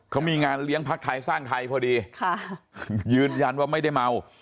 เขามีงานเลี้ยงพักไทยสร้างไทยพอดีค่ะยืนยันว่าไม่ได้เมา